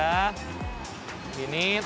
lalu langsung dilanjut